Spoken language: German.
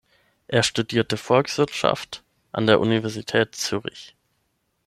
Er studierte Volkswirtschaft an der Universität Zürich.